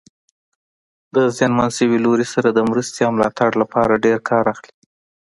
له زیانمن شوي لوري سره د مرستې او ملاتړ لپاره ډېر کار اخلي.